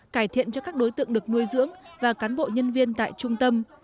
cải thiện cho các đối tượng được nuôi dưỡng và cán bộ nhân viên tại trung tâm